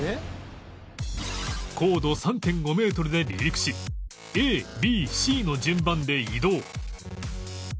高度 ３．５ メートルで離陸し ＡＢＣ の順番で移動